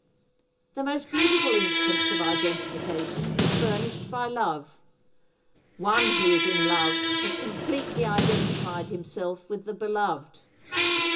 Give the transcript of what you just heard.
The most beautiful instance of identification is furnished by love. One who is in love has completely identified himself with the beloved.